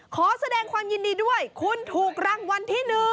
ขอแสดงความยินดีด้วยคุณถูกรางวัลที่๑